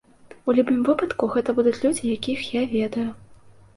У любым выпадку, гэта будуць людзі, якіх я ведаю.